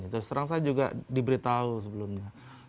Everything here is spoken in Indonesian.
terus terang saya juga diberitahu sebelumnya